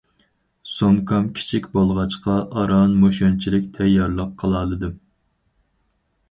-سومكام كىچىك بولغاچقا ئاران مۇشۇنچىلىك تەييارلىق قىلالىدىم.